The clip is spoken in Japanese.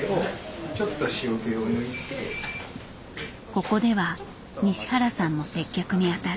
ここでは西原さんも接客に当たる。